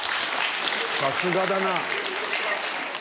さすがだな。